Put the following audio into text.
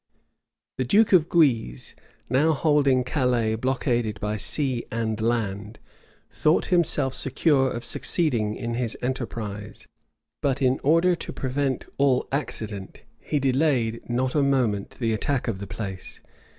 } The duke of Guise, now holding Calais blockaded by sea and land, thought himself secure of succeeding in his enterprise; but in order to prevent all accident, be delayed not a moment the attack of the place.